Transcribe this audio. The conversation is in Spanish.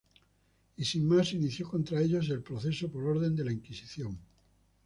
Y sin más se inició contra ellos el proceso por orden de la Inquisición.